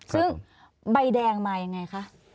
ซึ่งใบแดงมายังไงคะ